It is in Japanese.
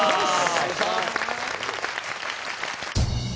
お願いします！